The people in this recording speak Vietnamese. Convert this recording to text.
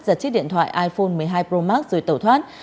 giật chiếc điện thoại iphone một mươi hai pro max rồi tẩu thoát